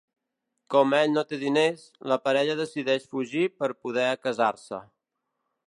Com ell no té diners, la parella decideix fugir per poder casar-se.